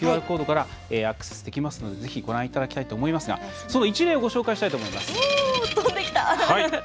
ＱＲコードからアクセスできますのでぜひ、ご覧いただきたいと思いますがその一例をご紹介したいと思います。